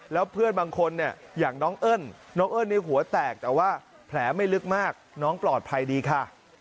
แล้วเพื่อนบางคนเนี่ยอย่างน้องเอิ้นน้องเอิ้นในหัวแตกแต่ว่าแผลไม่ลึกมากน้องปลอดภัยดีค่ะ